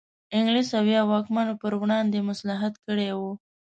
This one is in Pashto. انګلیس او یا واکمنو پر وړاندې مصلحت کړی وي.